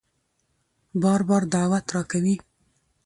بار بار دعوت راکوي